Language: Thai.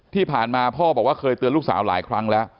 ที่ผ่านมาพ่อบอกว่าเคยเตือนลูกสาวหลายครั้งแล้ว